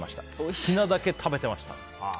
好きなだけ食べてました。